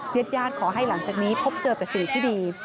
ญาติญาติขอให้หลังจากนี้พบเจอแต่สิ่งที่ดี